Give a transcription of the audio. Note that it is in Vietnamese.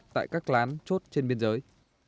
tại các lán chốt trên biên giới